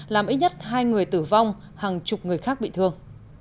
làm ít nhất hai người tử vong hàng chục người khác bị thương